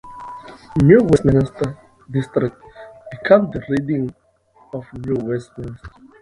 New Westminster District became the riding of New Westminster.